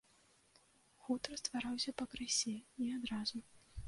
Хутар ствараўся пакрысе, не адразу.